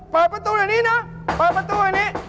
เปิดประตูหน่อยนี้นะเปิดประตูแบบนี้